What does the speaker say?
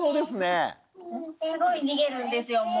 すごい逃げるんですよ